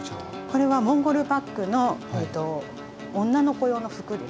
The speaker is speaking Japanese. これはモンゴルパックの女の子用の服です。